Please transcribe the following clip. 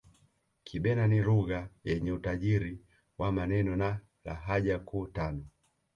Kibena ni Lugha yenye utajiri wa maneno na lahaja kuu tano